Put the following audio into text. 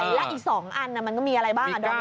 และอีก๒อันมันก็มีอะไรบ้างดอม